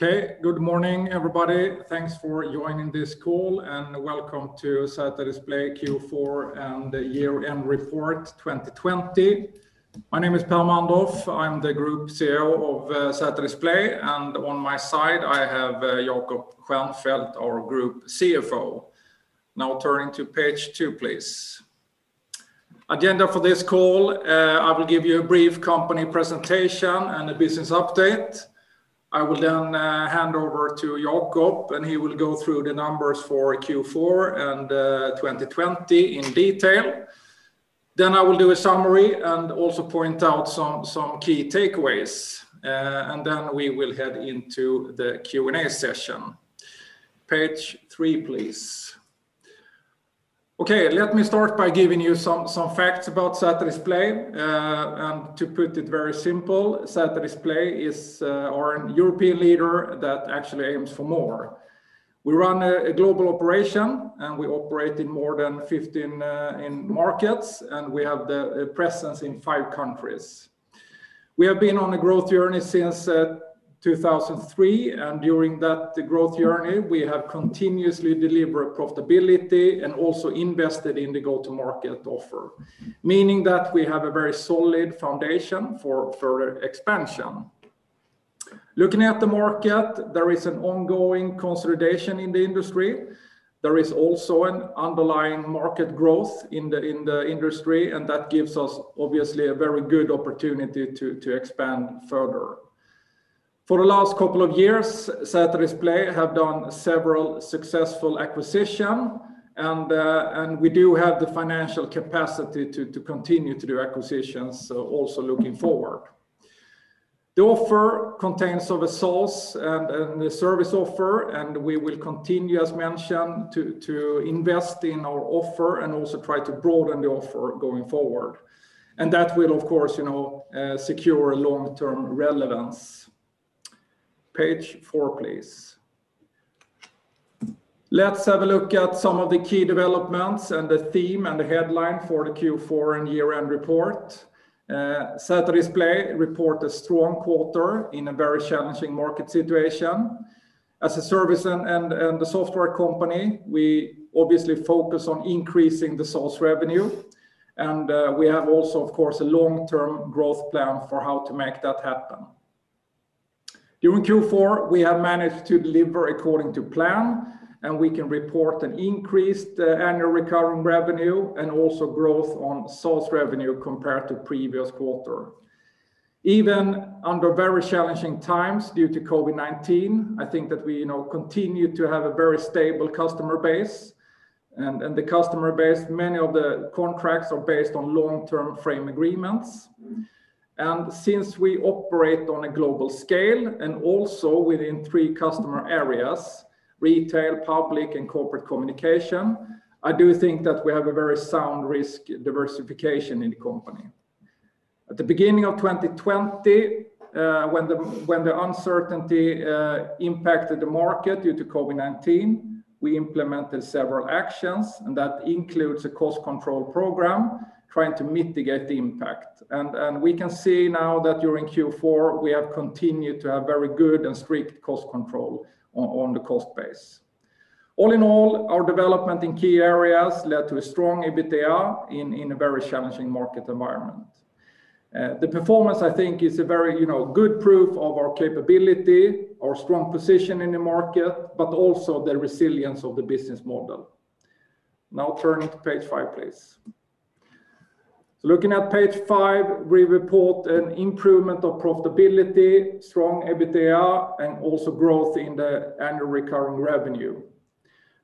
Okay. Good morning, everybody. Thanks for joining this call, welcome to ZetaDisplay Q4 and Year-End Report 2020. My name is Per Mandorf. I'm the Group CEO of ZetaDisplay, and on my side I have Jacob Stjernfält, our Group CFO. Now turning to page two, please. Agenda for this call, I will give you a brief company presentation and a business update. I will then hand over to Jacob, and he will go through the numbers for Q4 and 2020 in detail. I will do a summary and also point out some key takeaways. We will head into the Q&A session. Page three, please. Okay. Let me start by giving you some facts about ZetaDisplay. To put it very simple, ZetaDisplay is a European leader that actually aims for more. We run a global operation, and we operate in more than 15 markets, and we have the presence in five countries. We have been on a growth journey since 2003, and during that growth journey, we have continuously delivered profitability and also invested in the go-to market offer. Meaning that we have a very solid foundation for further expansion. Looking at the market, there is an ongoing consolidation in the industry. There is also an underlying market growth in the industry, and that gives us, obviously, a very good opportunity to expand further. For the last couple of years, ZetaDisplay have done several successful acquisitions and we do have the financial capacity to continue to do acquisitions, also looking forward. The offer consists of a SaaS and the service offer, and we will continue as mentioned, to invest in our offer and also try to broaden the offer going forward. That will of course, secure long-term relevance. Page four, please. Let's have a look at some of the key developments and the theme and the headline for the Q4 and year-end report. ZetaDisplay report a strong quarter in a very challenging market situation. As a service and software company, we obviously focus on increasing the SaaS revenue, and we have also, of course, a long-term growth plan for how to make that happen. During Q4, we have managed to deliver according to plan, and we can report an increased Annual Recurring Revenue and also growth on SaaS revenue compared to previous quarter. Even under very challenging times due to COVID-19, I think that we continue to have a very stable customer base. The customer base, many of the contracts are based on long-term frame agreements. Since we operate on a global scale and also within three customer areas, retail, public, and corporate communication, I do think that we have a very sound risk diversification in the company. At the beginning of 2020, when the uncertainty impacted the market due to COVID-19, we implemented several actions. That includes a cost control program trying to mitigate the impact. We can see now that during Q4, we have continued to have very good and strict cost control on the cost base. All in all, our development in key areas led to a strong EBITDA in a very challenging market environment. The performance, I think is a very good proof of our capability, our strong position in the market, also the resilience of the business model. Turning to page five, please. Looking at page five, we report an improvement of profitability, strong EBITDA, and also growth in the annual recurring revenue.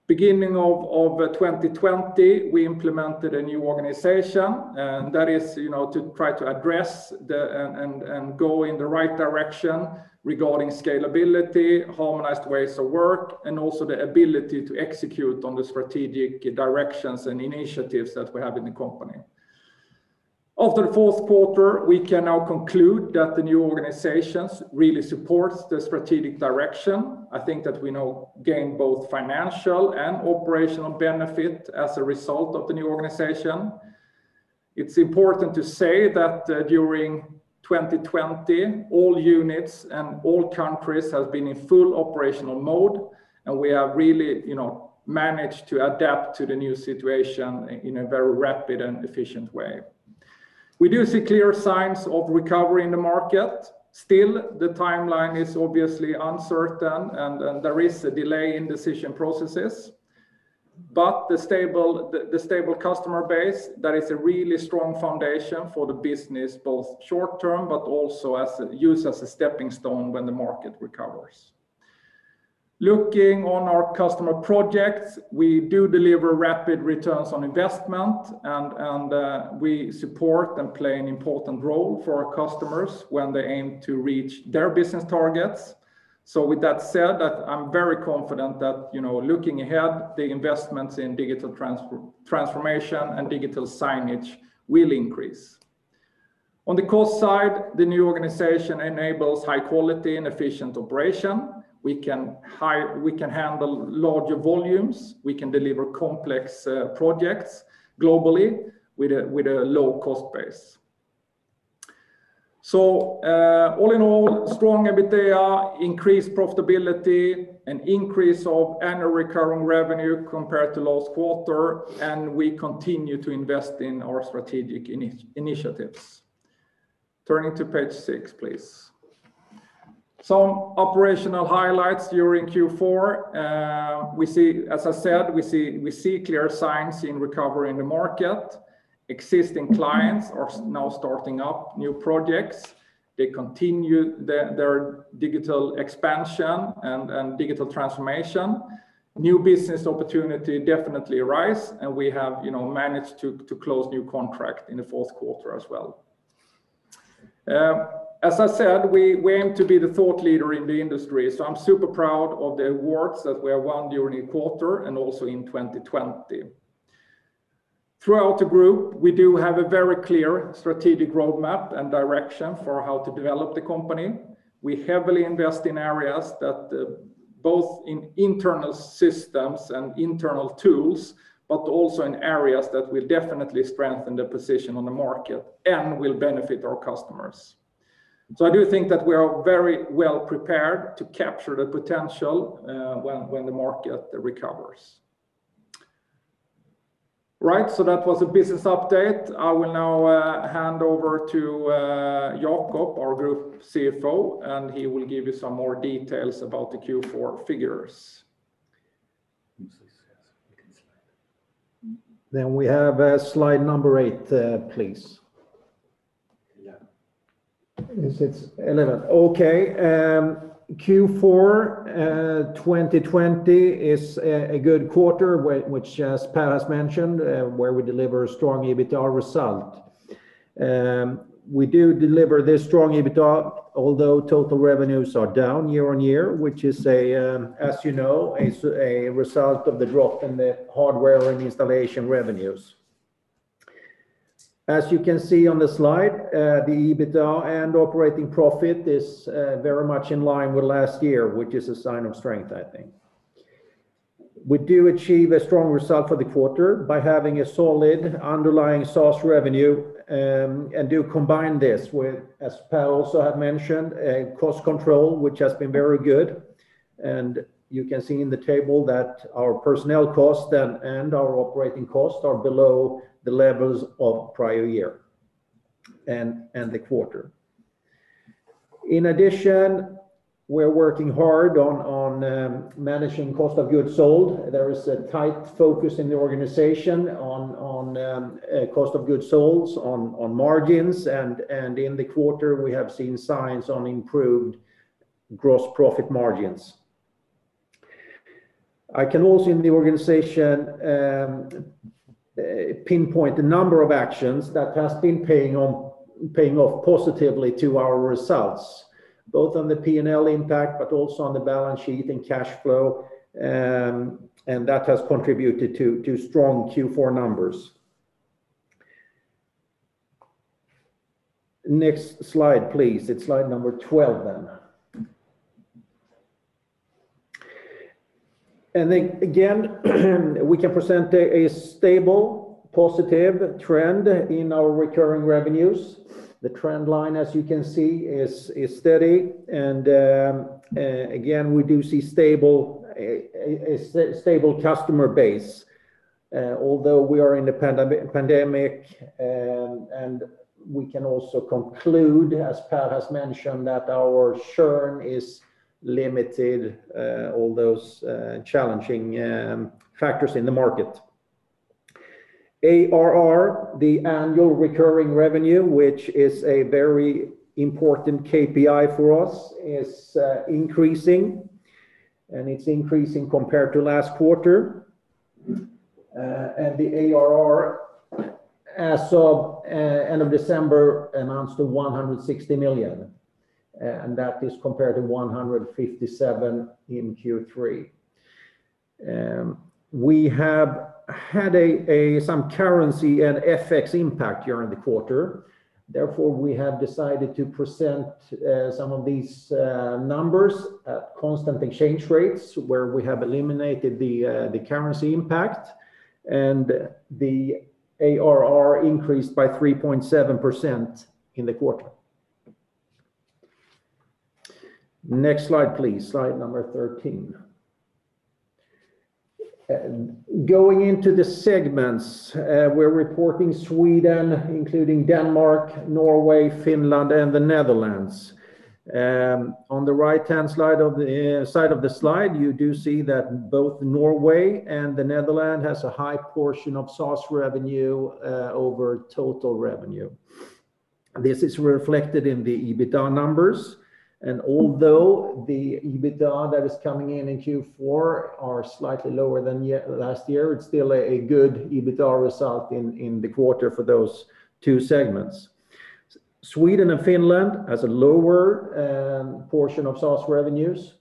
Beginning of 2020, we implemented a new organization, and that is to try to address and go in the right direction regarding scalability, harmonized ways of work, and also the ability to execute on the strategic directions and initiatives that we have in the company. After the fourth quarter, we can now conclude that the new organizations really supports the strategic direction. I think that we now gain both financial and operational benefit as a result of the new organization. It's important to say that during 2020, all units and all countries have been in full operational mode, and we have really managed to adapt to the new situation in a very rapid and efficient way. We do see clear signs of recovery in the market. The timeline is obviously uncertain, and there is a delay in decision processes. The stable customer base, that is a really strong foundation for the business, both short-term but also used as a stepping stone when the market recovers. Looking on our customer projects, we do deliver rapid returns on investment and we support and play an important role for our customers when they aim to reach their business targets. With that said, I'm very confident that, looking ahead, the investments in digital transformation and digital signage will increase. On the cost side, the new organization enables high quality and efficient operation. We can handle larger volumes, we can deliver complex projects globally with a low-cost base. All in all, strong EBITDA, increased profitability, and increase of annual recurring revenue compared to last quarter and we continue to invest in our strategic initiatives. Turning to page six, please. Some operational highlights during Q4. As I said, we see clear signs in recovery in the market. Existing clients are now starting up new projects. They continue their digital expansion and digital transformation. New business opportunity definitely arise, and we have managed to close new contract in the fourth quarter as well. As I said, we aim to be the thought leader in the industry. I'm super proud of the awards that we have won during the quarter and also in 2020. Throughout the group, we do have a very clear strategic roadmap and direction for how to develop the company. We heavily invest in areas both in internal systems and internal tools but also in areas that will definitely strengthen the position on the market and will benefit our customers. I do think that we are very well prepared to capture the potential when the market recovers. Right, that was the business update. I will now hand over to Jacob, our Group CFO, and he will give you some more details about the Q4 figures. We have slide number eight, please. Yeah. It's 11. Okay. Q4 2020 is a good quarter, which as Per has mentioned, where we deliver a strong EBITDA result. We do deliver this strong EBITDA, although total revenues are down year-on-year, which is, as you know, is a result of the drop in the hardware and installation revenues. As you can see on the slide, the EBITDA and operating profit is very much in line with last year which is a sign of strength, I think. We do achieve a strong result for the quarter by having a solid underlying SaaS revenue, and do combine this with, as Per also had mentioned, cost control, which has been very good. You can see in the table that our personnel cost and our operating cost are below the levels of prior year and the quarter. In addition, we're working hard on managing cost of goods sold. There is a tight focus in the organization on cost of goods sold, on margins, and in the quarter, we have seen signs on improved gross profit margins. I can also in the organization pinpoint the number of actions that has been paying off positively to our results, both on the P&L impact, but also on the balance sheet and cash flow and that has contributed to strong Q4 numbers. Next slide, please. It's slide number 12 then. Again, we can present a stable, positive trend in our recurring revenues. The trend line, as you can see, is steady. Again, we do see a stable customer base. Although we are in the pandemic, and we can also conclude, as Per has mentioned, that our churn is limited, all those challenging factors in the market. ARR, the Annual Recurring Revenue, which is a very important KPI for us, is increasing. It's increasing compared to last quarter. The ARR, as of end of December, amounts to 160 million, compared to 157 in Q3. We have had some currency and FX impact during the quarter. Therefore, we have decided to present some of these numbers at constant exchange rates, where we have eliminated the currency impact. The ARR increased by 3.7% in the quarter. Next slide, please. Slide number 13. Going into the segments, we're reporting Sweden, including Denmark, Norway, Finland, and the Netherlands. On the right-hand side of the slide, you do see that both Norway and the Netherlands has a high portion of SaaS revenue over total revenue. This is reflected in the EBITDA numbers. Although the EBITDA that is coming in in Q4 are slightly lower than last year, it's still a good EBITDA result in the quarter for those two segments. Sweden and Finland has a lower portion of SaaS revenues,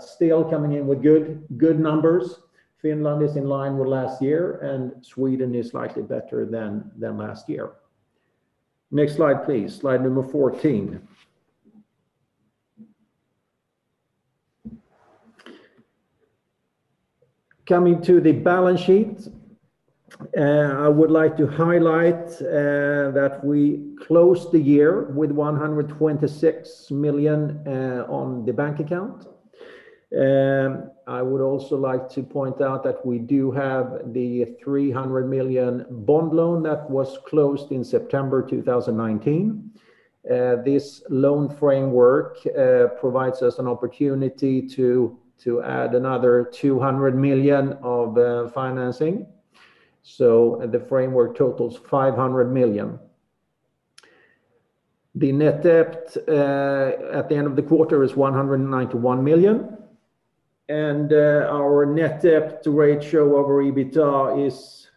still coming in with good numbers. Finland is in line with last year. Sweden is slightly better than last year. Next slide, please. Slide number 14. Coming to the balance sheet. I would like to highlight that we closed the year with 126 million on the bank account. I would also like to point out that we do have the 300 million bond loan that was closed in September 2019. This loan framework provides us an opportunity to add another 200 million of financing. The framework totals 500 million. The net debt at the end of the quarter is 191 million, and our net debt ratio over EBITDA is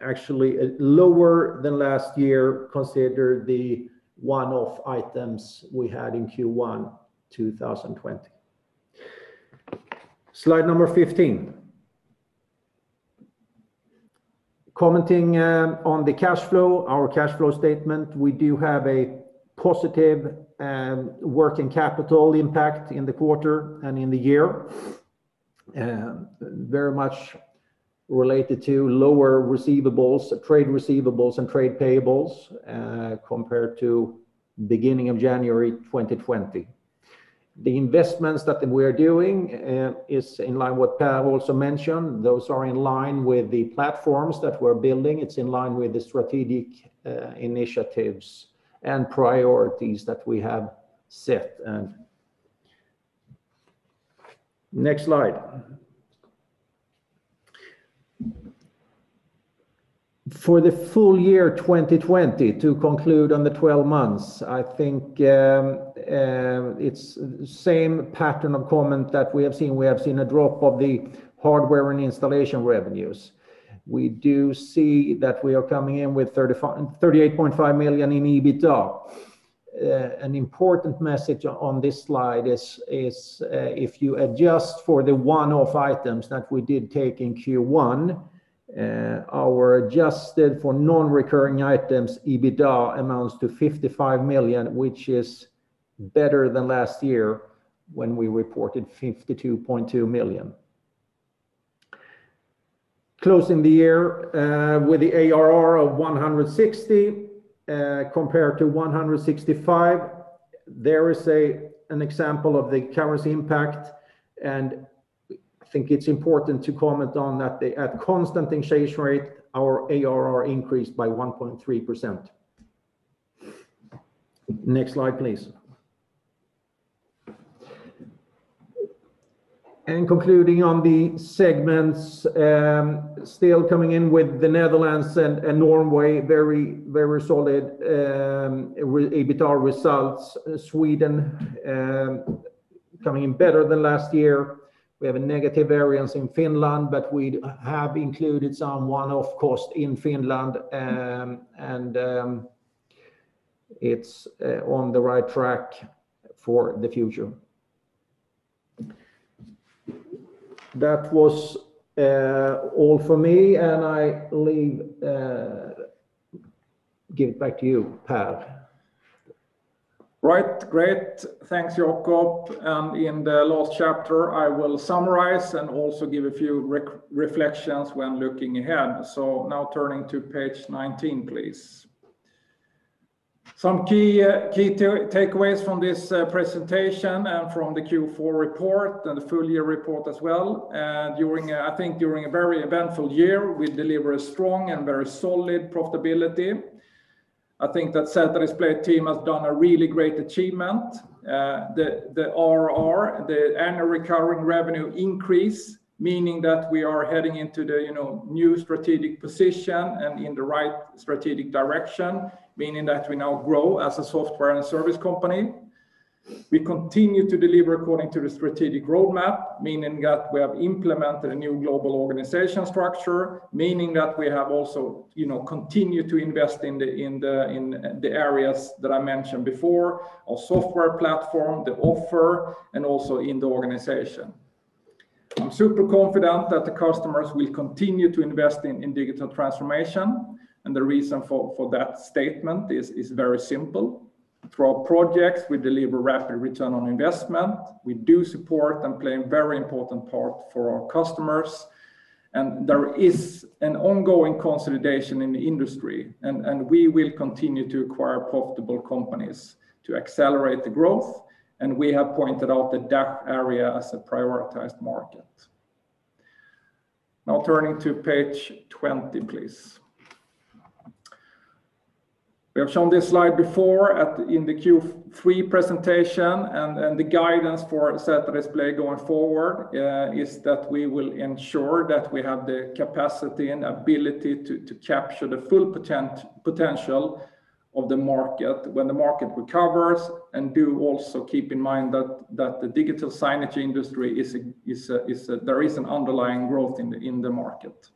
actually lower than last year, considering the one-off items we had in Q1 2020. Slide number 15. Commenting on the cash flow. Our cash flow statement, we do have a positive working capital impact in the quarter and in the year. Very much related to lower receivables, trade receivables, and trade payables, compared to the beginning of January 2020. The investments that we are doing is in line with what Per also mentioned. Those are in line with the platforms that we're building. It's in line with the strategic initiatives and priorities that we have set. Next slide. For the full year 2020, to conclude on the 12 months, I think it's the same pattern of comment that we have seen. We have seen a drop of the hardware and installation revenues. We do see that we are coming in with 38.5 million in EBITDA. An important message on this slide is if you adjust for the one-off items that we did take in Q1, our Adjusted for non-recurring items, EBITDA amounts to 55 million, which is better than last year when we reported 52.2 million. Closing the year with the ARR of 160, compared to 165. There is an example of the currency impact, and I think it's important to comment on that at constant exchange rate, our ARR increased by 1.3%. Next slide, please. Concluding on the segments, still coming in with the Netherlands and Norway, very solid EBITDA results. Sweden coming in better than last year. We have a negative variance in Finland. We have included some one-off cost in Finland. It's on the right track for the future. That was all for me. I give it back to you, Per. Right. Great. Thanks, Jacob. In the last chapter, I will summarize and also give a few reflections when looking ahead. Now turning to page 19, please. Some key takeaways from this presentation and from the Q4 report and the full-year report as well. I think during a very eventful year, we deliver a strong and very solid profitability. I think that ZetaDisplay team has done a really great achievement. The ARR, the Annual Recurring Revenue increase, meaning that we are heading into the new strategic position and in the right strategic direction, meaning that we now grow as a software and service company. We continue to deliver according to the strategic roadmap, meaning that we have implemented a new global organization structure, meaning that we have also continued to invest in the areas that I mentioned before, our software platform, the offer, and also in the organization. I'm super confident that the customers will continue to invest in digital transformation. The reason for that statement is very simple. Through our projects, we deliver rapid return on investment. We do support and play a very important part for our customers. There is an ongoing consolidation in the industry. We will continue to acquire profitable companies to accelerate the growth. We have pointed out the DACH area as a prioritized market. Now turning to page 20, please. We have shown this slide before in the Q3 presentation. The guidance for ZetaDisplay going forward is that we will ensure that we have the capacity and ability to capture the full potential of the market when the market recovers. Do also keep in mind that the digital signage industry, there is an underlying growth in the market.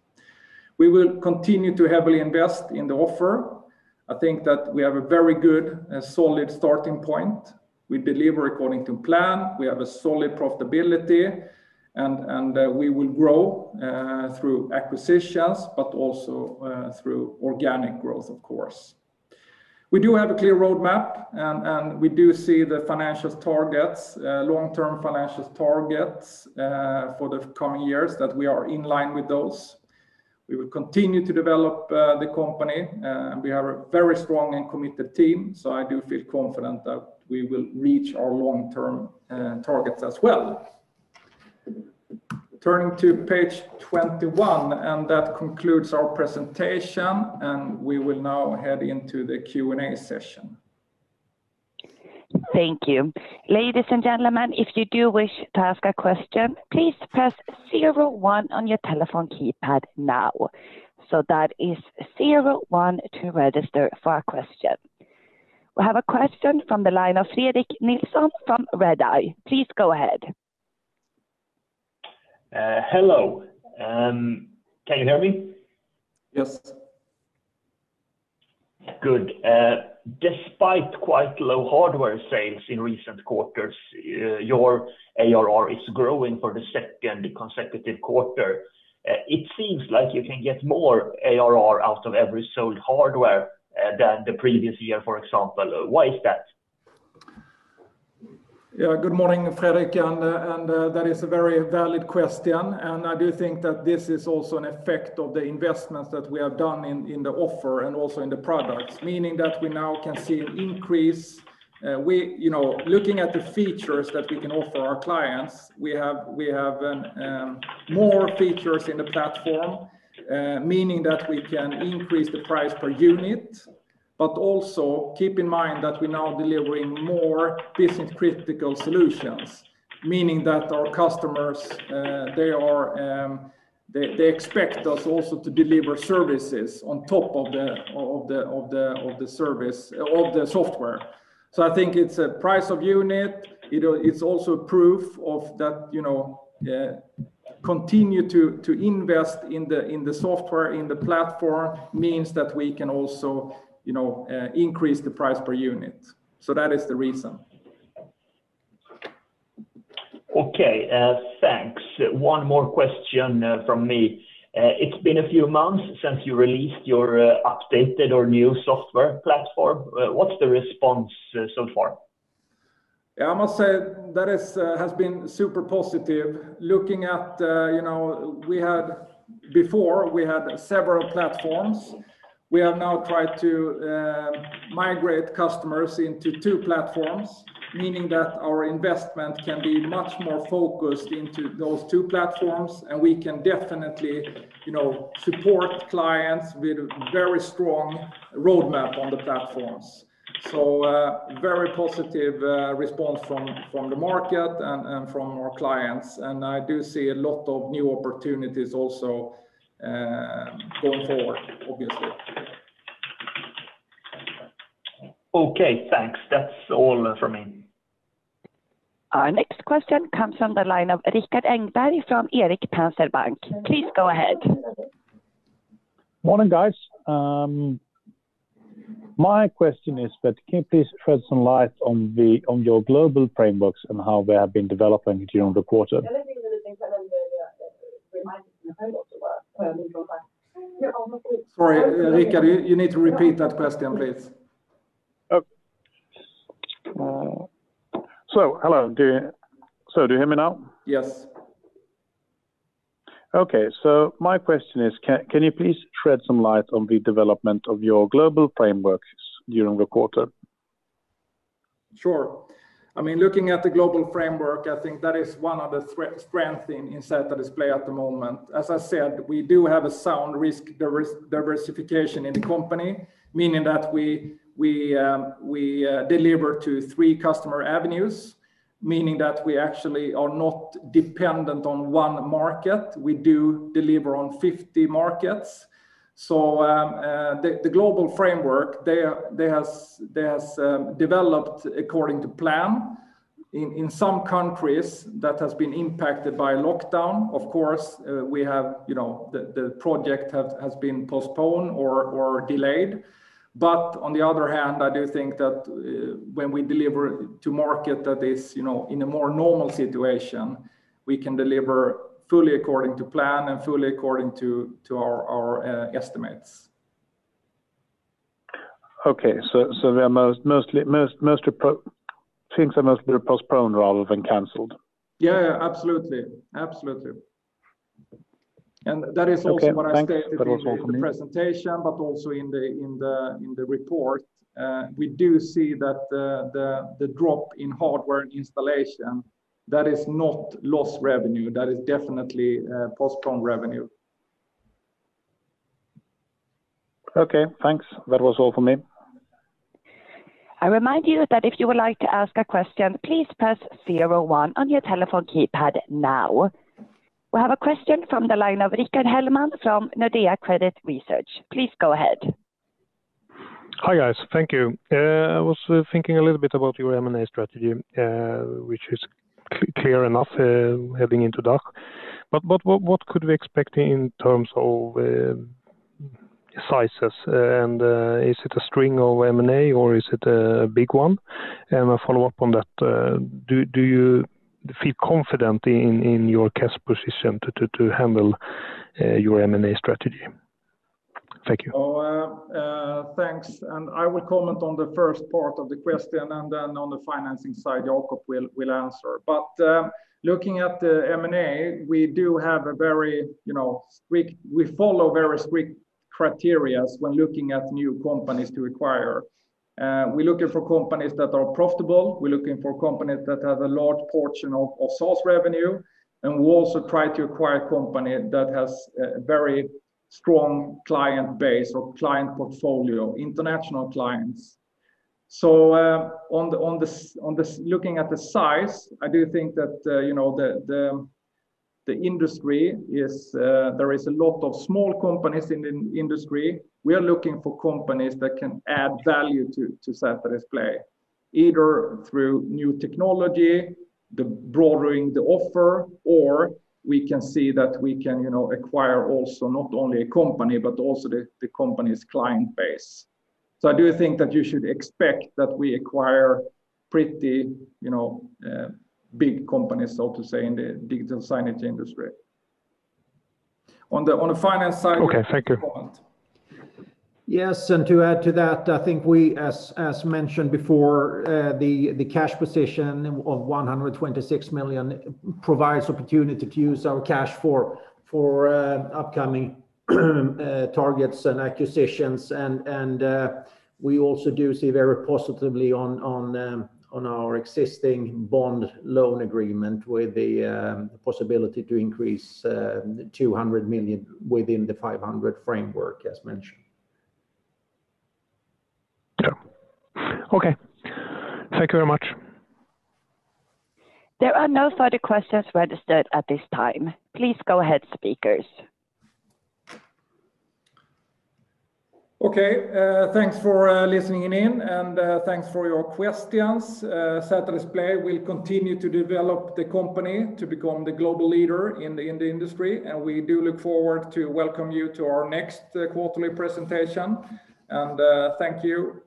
We will continue to heavily invest in the offer. I think that we have a very good solid starting point. We deliver according to plan. We have a solid profitability, and we will grow through acquisitions, but also through organic growth, of course. We do have a clear roadmap, and we do see the long-term financial targets for the coming years that we are in line with those. We will continue to develop the company. We have a very strong and committed team, so I do feel confident that we will reach our long-term targets as well. Turning to page 21, and that concludes our presentation, and we will now head into the Q&A session. Thank you. Ladies and gentlemen, if you do wish to ask a question, please press zero one on your telephone keypad now. That is zero one to register for a question. We have a question from the line of Fredrik Nilsson from Redeye. Please go ahead. Hello. Can you hear me? Yes. Good. Despite quite low hardware sales in recent quarters, your ARR is growing for the second consecutive quarter. It seems like you can get more ARR out of every sold hardware than the previous year, for example. Why is that? Good morning, Fredrik, and that is a very valid question, and I do think that this is also an effect of the investments that we have done in the offer and also in the products. Meaning that we now can see an increase. Looking at the features that we can offer our clients, we have more features in the platform, meaning that we can increase the price per unit. Also keep in mind that we're now delivering more business critical solutions, meaning that our customers expect us also to deliver services on top of the software. I think it's a price of unit. It's also proof of that continue to invest in the software, in the platform, means that we can also increase the price per unit. That is the reason. Okay, thanks. One more question from me. It's been a few months since you released your updated or new software platform. What's the response so far? I must say that has been super positive. Before, we had several platforms. We have now tried to migrate customers into two platforms, meaning that our investment can be much more focused into those two platforms, and we can definitely support clients with very strong roadmap on the platforms. Very positive response from the market and from our clients. I do see a lot of new opportunities also going forward, obviously. Okay, thanks. That's all from me. Our next question comes from the line of Rikard Engberg from Erik Penser Bank. Please go ahead. Morning, guys. My question is that can you please shed some light on your global frameworks and how they have been developing during the quarter? Sorry, Rikard, you need to repeat that question, please. Hello. Do you hear me now? Yes. Okay. My question is, can you please shed some light on the development of your global frameworks during the quarter? Sure. Looking at the global framework, I think that is one of the strengths in ZetaDisplay at the moment. As I said, we do have a sound risk diversification in the company, meaning that we deliver to three customer avenues, meaning that we actually are not dependent on one market. We do deliver on 50 markets. The global framework, they have developed according to plan. In some countries that has been impacted by lockdown, of course, the project has been postponed or delayed. On the other hand, I do think that when we deliver to market that is in a more normal situation, we can deliver fully according to plan and fully according to our estimates. Okay. Things are mostly postponed rather than canceled. Yeah, absolutely. Okay. Thanks. That was all for me. That is also what I stated in the presentation, but also in the report. We do see that the drop in hardware installation, that is not lost revenue. That is definitely postponed revenue. Okay, thanks. That was all for me. I remind you that if you would like to ask a question, please press zero one on your telephone keypad now. We have a question from the line of Rickard Hellman from Nordea Credit Research. Please go ahead. Hi, guys. Thank you. I was thinking a little bit about your M&A strategy, which is clear enough heading into DACH. What could we expect in terms of sizes, and is it a string of M&A, or is it a big one? A follow-up on that, do you feel confident in your cash position to handle your M&A strategy? Thank you. Thanks. I will comment on the first part of the question, on the financing side, Jacob will answer. Looking at the M&A, we follow very strict criteria when looking at new companies to acquire. We are looking for companies that are profitable. We are looking for companies that have a large portion of SaaS revenue, and we also try to acquire a company that has a very strong client base or client portfolio, international clients. Looking at the size, I do think that there is a lot of small companies in the industry. We are looking for companies that can add value to ZetaDisplay, either through new technology, broadening the offer, or we can see that we can acquire not only a company, but also the company's client base. I do think that you should expect that we acquire pretty big companies, so to say, in the digital signage industry. On the finance side. Okay. Thank you. Jacob. Yes. To add to that, I think we, as mentioned before, the cash position of 126 million provides opportunity to use our cash for upcoming targets and acquisitions. We also do see very positively on our existing bond loan agreement with the possibility to increase 200 million within the 500 framework, as mentioned. Yeah. Okay. Thank you very much. There are no further questions registered at this time. Please go ahead, speakers. Okay. Thanks for listening in and thanks for your questions. ZetaDisplay will continue to develop the company to become the global leader in the industry, and we do look forward to welcome you to our next quarterly presentation. Thank you.